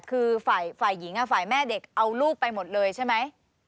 คือฝ่ายหญิงฝ่ายแม่เด็กเอาลูกไปหมดเลยใช่ไหม